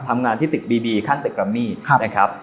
ทำงานที่ตึกบีบีข้างตึกกรัมมี่นะครับ